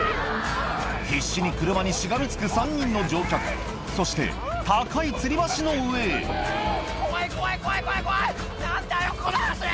必死に車にしがみつく３人の乗客そして高いつり橋の上へ怖い怖い怖い怖い怖い！